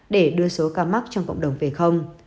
để đưa số ca mắc trong cộng đồng về không